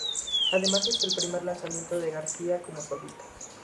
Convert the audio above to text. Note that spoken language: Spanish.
Además, es el primer lanzamiento de García como solista.